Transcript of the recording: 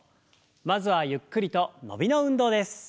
まずはゆっくりと伸びの運動です。